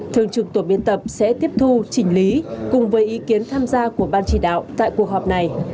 thường trực tổ biên tập sẽ tiếp thu chỉnh lý cùng với ý kiến tham gia của ban chỉ đạo tại cuộc họp này